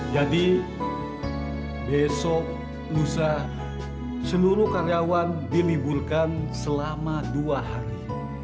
jadi besok lusa seluruh karyawan diliburkan selama dua hari